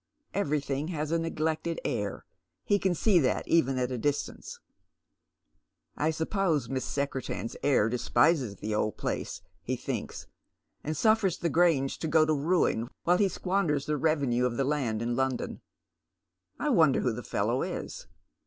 Everythiog has a neglected air. He can see that even at a distance. "I suppose Miss Secretan's heir despises the old place," he thinks, " and suffers the Grange to go to ruin, while he squanders the revenue of the land in London. I wonder who the fellow is